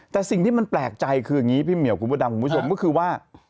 แต่สิ่งที่มันแปลกใจคืออย่างนี้พี่เหมียวคุณพระดำคุณผู้ชมก็คือว่า